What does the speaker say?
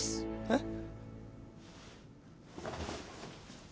えっ？